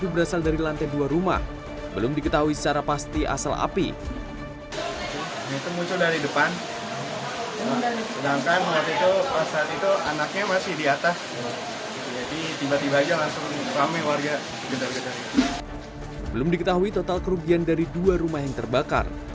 belum diketahui total kerugian dari dua rumah yang terbakar